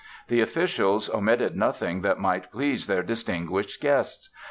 The officials omitted nothing that might please their distinguished guests.